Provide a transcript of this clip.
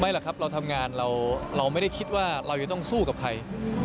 หรอกครับเราทำงานเราไม่ได้คิดว่าเราจะต้องสู้กับใคร